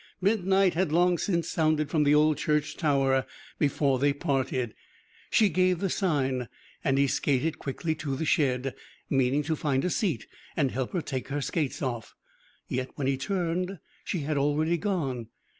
Midnight had long since sounded from the old church tower before they parted. She gave the sign, and he skated quickly to the shed, meaning to find a seat and help her take her skates off. Yet when he turned she had already gone.